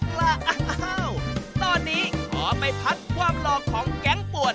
รอเกินไปตั้งหากละอ้าวตอนนี้ขอไปพัดความรอของแก๊งป่วน